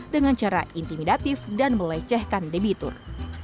dengan cara intimidatif dan melecehkan debitur